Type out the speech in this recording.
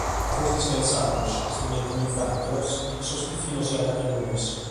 Ma forsis pensamus – istrumentalizende·los – chi sos pitzinnos siant che a nois.